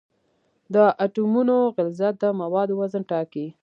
د اټومونو غلظت د موادو وزن ټاکي.